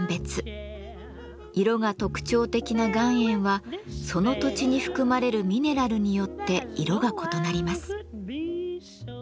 色が特徴的な岩塩はその土地に含まれるミネラルによって色が異なります。